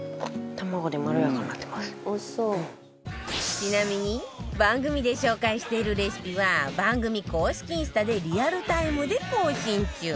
ちなみに番組で紹介しているレシピは番組公式インスタでリアルタイムで更新中